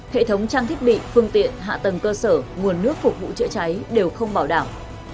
hệ thống trang thiết bị phương tiện hạ tầng cơ sở nguồn nước phục vụ chữa cháy đều không bảo đảm